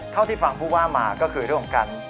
เท่าที่ฟังผู้ว่ามาก็คือเรื่องของการ